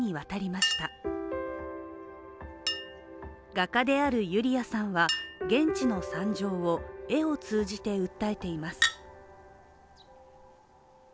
画家であるユリヤさんは現地の惨状を絵を通じて訴えています。